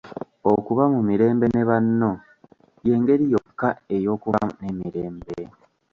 Okuba mu mirembe ne banno y'engeri yokka ey'okuba n'emirembe.